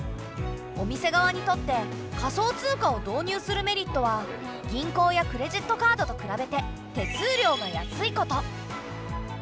お店側にとって仮想通貨を導入するメリットは銀行やクレジットカードと比べて手数料が安いこと。